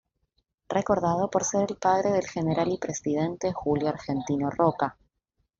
Recordado por ser el padre del general y presidente Julio Argentino Roca.